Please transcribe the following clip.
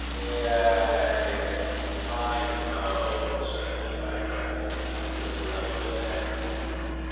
"Yea, I know," said the Tigress, with lowered head.